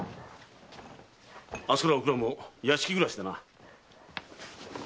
明日からはおくらも屋敷暮らしだな。